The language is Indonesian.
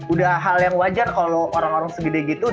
udah hal yang wajar kalau orang orang segede gitu